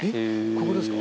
ここですか？